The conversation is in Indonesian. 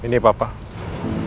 tidak tidak apa apa